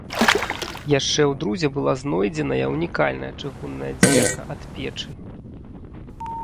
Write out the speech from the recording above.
Яшчэ ў друзе была знойдзеная ўнікальная чыгунная дзверка ад печы.